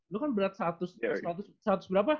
lu kan berat seratus berapa